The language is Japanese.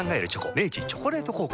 明治「チョコレート効果」